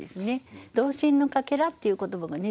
「童心の欠片」っていう言葉がね